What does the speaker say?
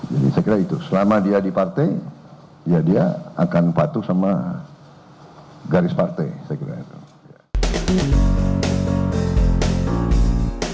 jadi saya kira itu selama dia di partai ya dia akan patuh sama garis partai